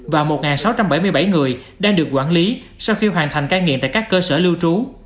và một sáu trăm bảy mươi bảy người đang được quản lý sau khi hoàn thành ca nghiện tại các cơ sở lưu trú